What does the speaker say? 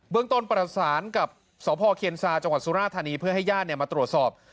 เรื่องต้นประสานกับสพเคียนซาจังหวัดสุราธานีเพื่อให้ญาติมาตรวจสอบ